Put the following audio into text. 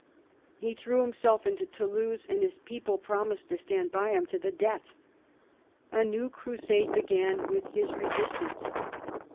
He threw him self into Toulouse, and his people promised to stand by him to the death. A new crusade began with his resist ance.